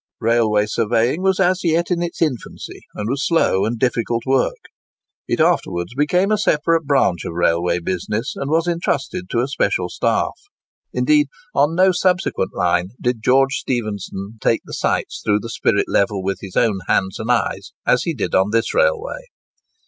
Railway surveying was as yet in its infancy, and was slow and difficult work. It afterwards became a separate branch of railway business, and was entrusted to a special staff. Indeed on no subsequent line did George Stephenson take the sights through the spirit level with his own hands and eyes as he did on this railway.